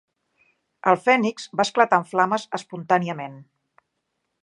El fènix va esclatar en flames espontàniament.